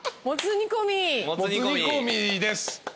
もつ煮込みです。